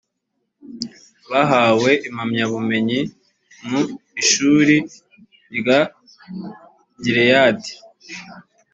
bahawe impamyabumenyi mu ishuri rya gileyadi.